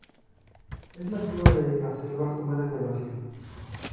Es nativa de las selvas húmedas del Brasil.